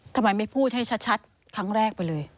ทำไมไม่พูดให้ชัดครั้งแรกไปเลย